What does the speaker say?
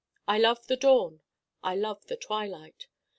I love the dawn I love the twilight.